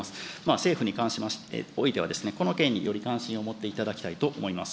政府においては、この件により関心を持っていただきたいと思います。